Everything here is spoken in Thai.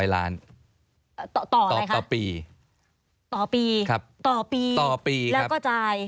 ๑๒๐๐ล้านต่อปีต่อปีแล้วก็จ่าย